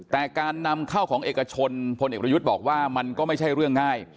แต่การนำเข้าของเอกชนพลเอกประยุทธ์บอกว่ามันก็ไม่ใช่เรื่องง่าย